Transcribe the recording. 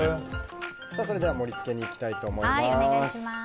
それでは盛り付けにいきたいと思います。